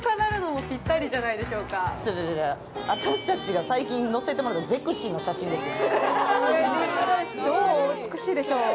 私たちが最近載せてもらった「ゼクシー」の写真ですよ。